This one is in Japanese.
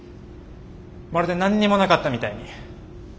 まるで何にもなかったみたいに。